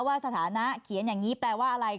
สถานะเขียนอย่างนี้แปลว่าอะไร